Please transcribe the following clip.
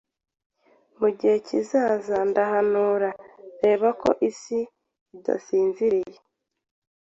Mugihe kizaza ndahanura reba Ko isi idasinziriye